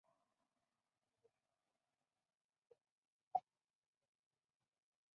The plant blooms in flushes from spring to autumn.